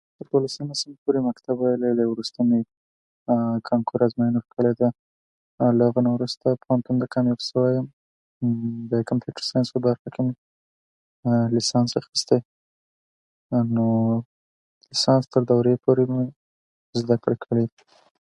[unintelligible] صنفه پورې مې مکتب ویلی ده، وروسته مې کانکور ازموینه ورکړې ده، او له هغه نه وروسته پوهنتون ته کامیاب شوی یم. بیا کمپیوټر ساینس په برخه کې لیسانس اخیستی. نو د لیسانس تر دورې پورې مې زده کړې کړي دي.